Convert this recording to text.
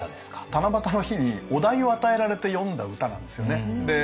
七夕の日にお題を与えられて詠んだ歌なんですよね。